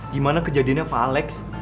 gimana kejadiannya pak alex